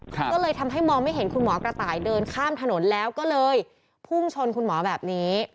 ก็เลยทำให้มองไม่เห็นคุณหมอกระต่ายเดินข้ามถนนแล้วก็เลยพุ่งชนคุณหมอแบบนี้